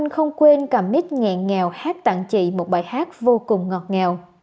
không quên cầm mic nghẹn nghèo hát tặng chị một bài hát vô cùng ngọt ngào